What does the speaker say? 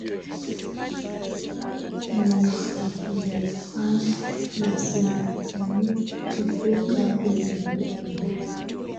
norepinephrine na serotonin kutoka kwenye ubongo